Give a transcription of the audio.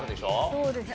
そうですね。